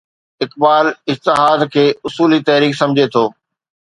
اقبال اجتهاد کي اصولي تحريڪ سمجهي ٿو.